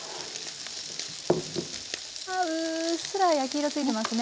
うっすら焼き色付いてますね。